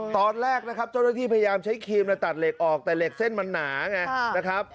ตอนแรกนะครับเจ้าหน้าที่พยายามใช้ครีมตัดเหล็กออกแต่เหล็กเส้นมันหนาไงนะครับ